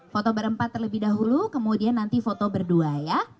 foto berempat terlebih dahulu kemudian nanti foto berdua ya